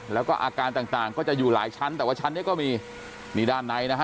แล้วก็อาการต่างต่างก็จะอยู่หลายชั้นแต่ว่าชั้นนี้ก็มีนี่ด้านในนะฮะ